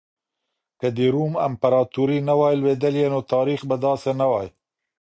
که د روم امپراطورۍ نه وای لوېدلې نو تاريخ به داسې نه وای.